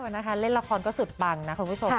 นะคะเล่นละครก็สุดปังนะคุณผู้ชม